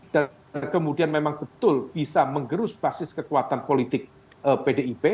dan kemudian memang betul bisa mengerus basis kekuatan politik pdip